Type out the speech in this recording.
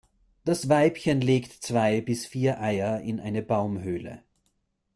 Das Weibchen legt zwei bis vier Eier in eine Baumhöhle.